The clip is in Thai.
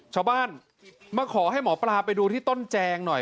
ชาวบ้านมาขอให้หมอปลาไปดูที่ต้นแจงหน่อย